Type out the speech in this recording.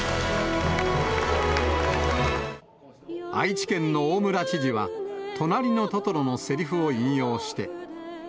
愛知県の大村知事は、となりのトトロのせりふを引用して。